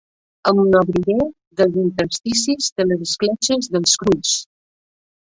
Em nodriré dels intersticis, de les escletxes, dels cruis.